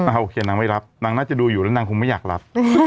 หืมไม่รับนางไม่รับ